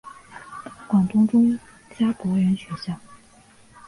广东中加柏仁学校。